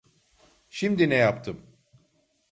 Şimdi ne yaptım?